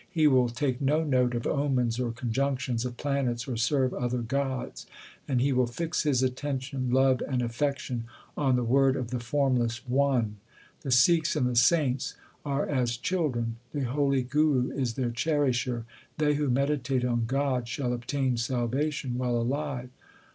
He will take no note of omens or conjunctions of planets or serve other gods ; and he will fix his attention, love, and affection on the word of the Formless One. The Sikhs and the saints are as children ; the holy Guru is their cherisher ; they who meditate on God shall obtain salvation while alive.